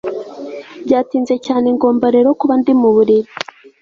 Byatinze cyane ngomba rero kuba ndi muburiri